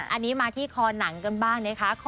อันนี้มาที่คอหนังกันบ้างนะคะ